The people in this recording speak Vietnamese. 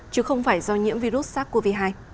chứ không phải do nhiễm virus sars cov hai